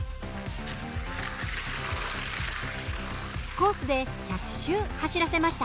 コースで１００周走らせました。